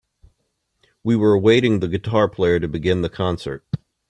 We were awaiting the guitar player to begin the concert.